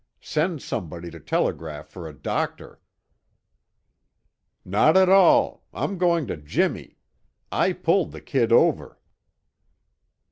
Send somebody to telegraph for a doctor." "Not at all! I'm going to Jimmy. I pulled the kid over."